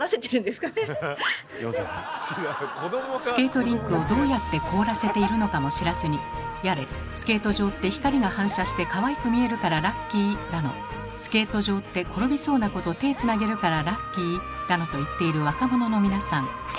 スケートリンクをどうやって凍らせているのかも知らずにやれ「スケート場って光が反射してかわいく見えるからラッキー」だの「スケート場って転びそうな子と手つなげるからラッキー」だのと言っている若者の皆さん。